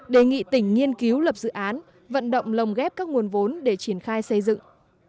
đề nghị tỉnh nghiên cứu lập dự án vận động lồng ghép các nguồn vốn để triển khai xây dựng